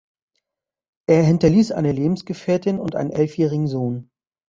Er hinterließ eine Lebensgefährtin und einen elfjährigen Sohn.